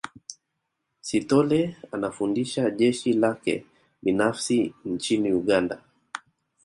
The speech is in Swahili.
Sithole anafundisha jeshi lake binafsi nchini Uganda